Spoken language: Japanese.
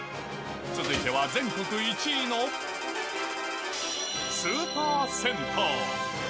続いては全国１位のスーパー銭湯。